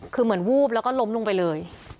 คือเหมือนวูบแล้วก็ล้มลงไปเลย